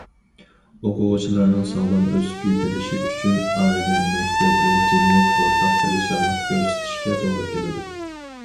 ئوقۇغۇچىلارنىڭ ساغلام ئۆسۈپ يېتىلىشى ئۈچۈن ئائىلە، مەكتەپ ۋە جەمئىيەت ئورتاق تىرىشچانلىق كۆرسىتىشكە توغرا كېلىدۇ.